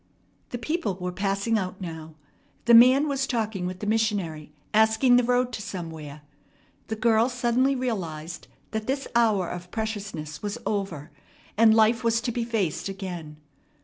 The people were passing out now. The man was talking with the missionary, asking the road to somewhere. The girl suddenly realized that this hour of preciousness was over, and life was to be faced again.